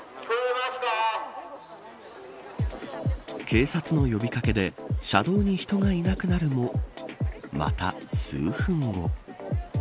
警察の呼び掛けで車道に人がいなくなるもまた数分後。